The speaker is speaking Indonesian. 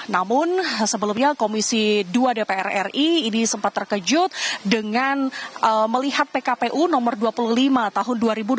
namun sebelumnya komisi dua dpr ri ini sempat terkejut dengan melihat pkpu nomor dua puluh lima tahun dua ribu dua puluh